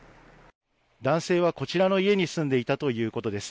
男性はこちらの家に住んでいたということです。